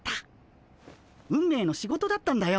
運命の仕事だったんだよ